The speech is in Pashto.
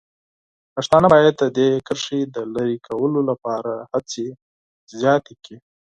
پښتانه باید د دې کرښې د لرې کولو لپاره هڅې زیاتې کړي.